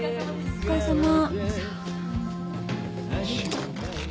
お疲れさま。